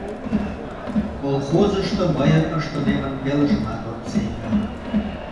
Колхозышто мыйын ыштымемын пелыжымат от сеҥе.